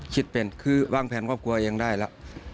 คิดเป็นคือวางแผนครอบครัวยังได้แล้ว